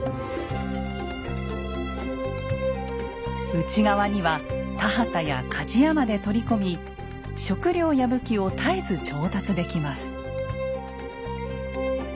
内側には田畑や鍛冶屋まで取り込み食糧や武器を絶えず調達できます。